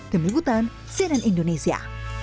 kemikutan senen indonesia